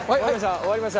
終わりました！